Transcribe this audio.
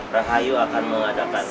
rahayu akan mengadakan